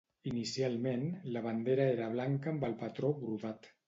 Inicialment la bandera era blanca amb el patró brodat.